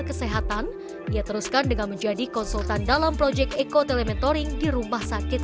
kesehatan ia teruskan dengan menjadi konsultan dalam proyek eco telemetoring di rumah sakit